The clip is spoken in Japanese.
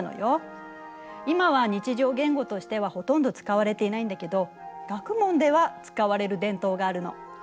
今は日常言語としてはほとんど使われていないんだけど学問では使われる伝統があるの。